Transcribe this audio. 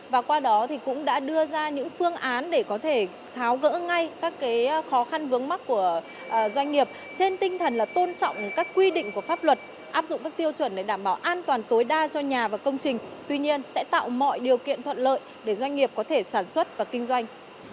và qua đó cũng đã đưa ra những phương án để có thể tháo gỡ ngay các khó khăn vướng mắt của doanh nghiệp trên tinh thần là tôn trọng các quy định của pháp luật áp dụng các tiêu chuẩn để đảm bảo an toàn tối đa cho nhà và công trình tuy nhiên sẽ tạo mọi điều kiện thuận lợi để doanh nghiệp có thể sản xuất và kinh doanh